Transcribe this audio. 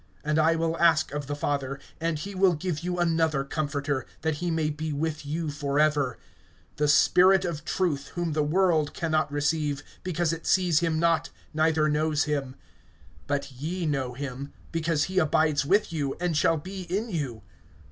(16)And I will ask of the Father, and he will give you another Comforter, that he may be with you forever; (17)the Spirit of truth, whom the world can not receive, because it sees him not, neither knows him; but ye know him, because he abides with you, and shall be in you.